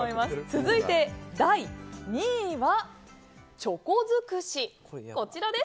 続いて、第２位はチョコづくし。